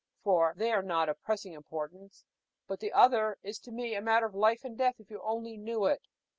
For they are not of pressing importance, but the other is to me a matter of life and death, if you only knew it."